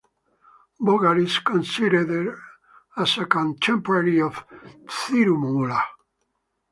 Bogar is considered as a contemporary of Thirumoolar.